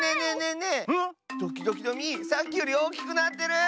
ん⁉ドキドキのみさっきよりおおきくなってる！